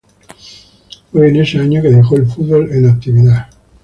Fue en ese año que dejó el fútbol en actividad.